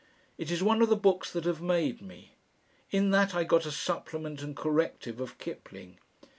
It is one of the books that have made me. In that I got a supplement and corrective of Kipling.